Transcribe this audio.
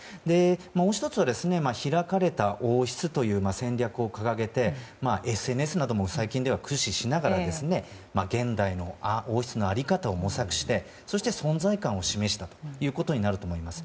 もう１つは開かれた王室という戦略を掲げてＳＮＳなども最近では駆使しながら現代の王室の在り方を模索してそして存在感を示したことになると思います。